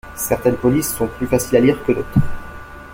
Certaines polices sont plus faciles à lire que d’autres.